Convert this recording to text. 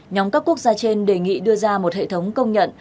nhóm các quốc gia trên đề nghị đưa ra một hệ thống công nhận